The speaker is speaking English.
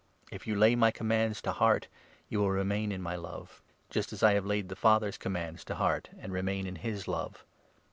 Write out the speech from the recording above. If you lay my commands to heart, you will remain in my love ; 10 just as I have laid the Father's commands to heart and remain in his love.